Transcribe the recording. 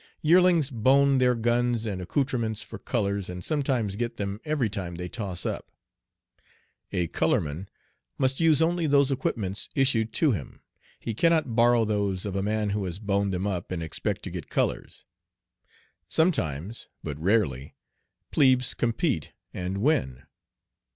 Yearlings "bone" their guns and accoutrements for "colors," and sometimes get them every time they toss up. A "color man" must use only those equipments issued to him. He cannot borrow those of a man who has "boned them up" and expect to get colors. Sometimes but rarely plebes compete and win.